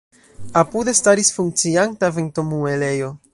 Apude staris funkcianta ventomuelejo.